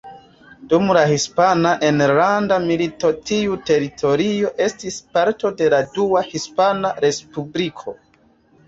Dum la Hispana Enlanda Milito tiu teritorio estis parto de la Dua Hispana Respubliko.